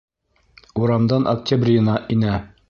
Урамдан Октябрина инә.